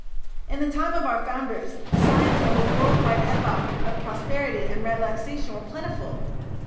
In the time of our Founders the signs of a world wide epoch of prosperity and relaxation were plentiful.